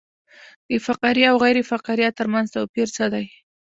د فقاریه او غیر فقاریه ترمنځ توپیر څه دی